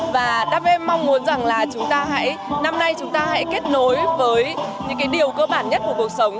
và đam mê mong muốn rằng là chúng ta hãy năm nay chúng ta hãy kết nối với những cái điều cơ bản nhất của cuộc sống